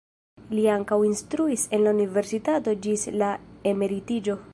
Li ankaŭ instruis en la universitato ĝis la emeritiĝo.